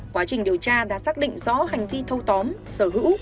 quá trình điều tra đã xác định rõ hành vi thâu tóm sở hữu